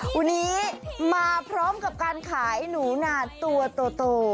วันนี้มาพร้อมกับการขายหนูหนาตัวโต